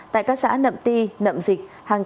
tại các xã nậm ti nậm dịch